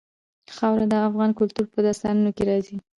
خاوره د افغان کلتور په داستانونو کې راځي.